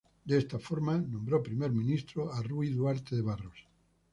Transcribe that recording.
De esta forma, nombró primer ministro a Rui Duarte de Barros.